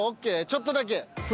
ちょっとだけ。